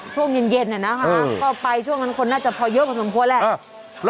ช่วงเย็นนี่นะครับก็ไปช่วงนั้นคนน่าจะพอเยอะกว่าสมโพธิ์แหละ